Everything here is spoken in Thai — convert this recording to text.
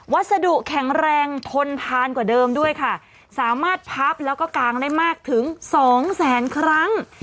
วัสดุแข็งแรงทนทานกว่าเดิมด้วยค่ะสามารถพับแล้วก็กางได้มากถึงสองแสนครั้ง